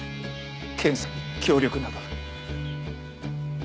検査に協力など。